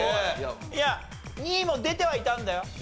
いや２位も出てはいたんだよ。